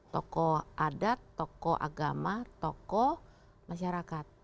tokoh adat tokoh agama tokoh masyarakat